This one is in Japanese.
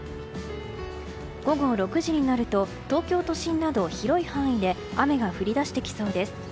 午後６時になると東京都心など広い範囲で雨が降り出してきそうです。